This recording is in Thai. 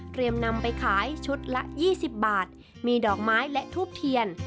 เตรียมนำไปขายชุดละยี่สิบบาทมีดอกไม้และทูปเทียน